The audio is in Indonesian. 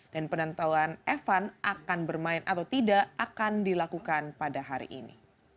dan penentuan evan akan bermain atau tidak akan dilakukan pada hari ini